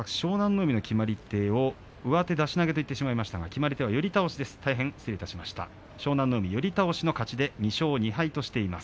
海の決まり手を上手出し投げと言ってしまいましたが、決まり手は寄り倒しです。